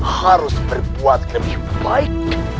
harus berbuat lebih baik